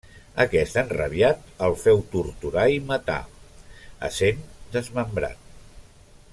Aquest, enrabiat, el feu torturar i matar, essent desmembrat.